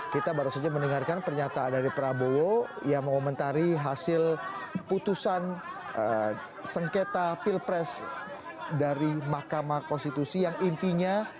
kita baru saja mendengarkan pernyataan dari prabowo yang mengomentari hasil putusan sengketa pilpres dari mahkamah konstitusi yang intinya